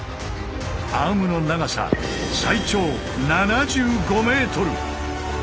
アームの長さ最長７５ｍ。